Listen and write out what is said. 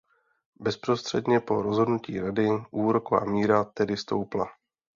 Bezprostředně po rozhodnutí Rady úroková míra tedy stoupla.